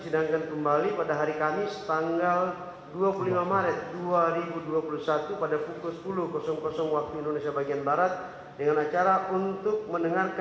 sidang cukup dan ditutup